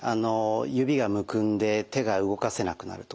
指がむくんで手が動かせなくなるとかですね